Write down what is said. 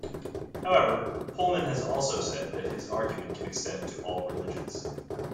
However, Pullman has also said that his argument can extend to all religions.